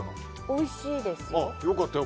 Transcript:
おいしいですよ。